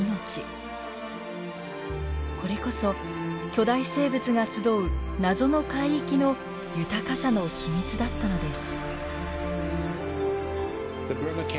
これこそ巨大生物が集う謎の海域の豊かさの秘密だったのです。